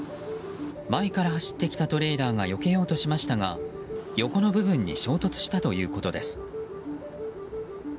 前から走ってきたトレーラーがよけようとしましたが横の部分に衝突したということです。